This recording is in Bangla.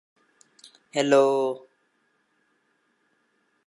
তারা বন্দীদের মুক্ত করেন।